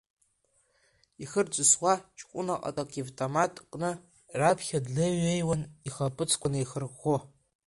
Ихы рҵысуа, ҷкәына ҟатак, иавтомат кны, раԥхьа длеиҩеиуан, ихаԥыцқәа неихарыӷәӷәо.